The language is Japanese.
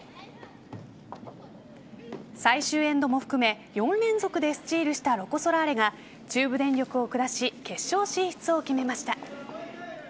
最終エンドも含め４連続でスチールしたロコ・ソラーレが中部電力を下し決勝進出を決めました。